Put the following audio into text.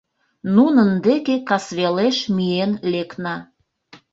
Нунын деке касвелеш миен лекна.